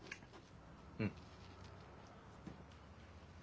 うん。